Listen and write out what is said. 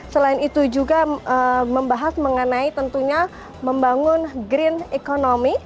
selain itu juga membahas mengenai tentunya membangun green economy